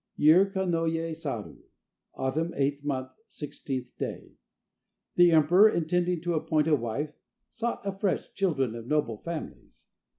Year Kanoye Saru, Autumn, 8th month, 16th day. The emperor, intending to appoint a wife, sought afresh children of noble families.